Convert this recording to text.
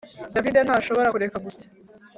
David ntashobora kureka gusya